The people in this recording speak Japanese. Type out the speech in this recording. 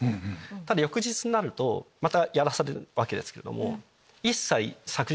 ただ翌日になるとまたやらされるわけですけども一切。